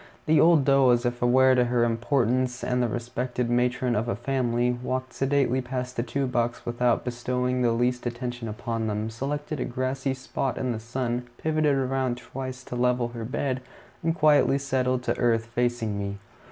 The old doe, as if aware of her importance as the respected matron of a family, walked sedately past the two bucks without bestowing the least attention upon them, selected a grassy spot in the sun, pivoted around twice to level her bed, and quietly settled to earth, facing me.